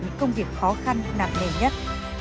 những công việc khó khăn nặng nẻ nhất